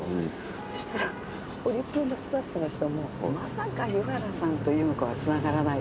そしたらホリプロのスタッフの人もまさか湯原さんと由美子はつながらないでしょ。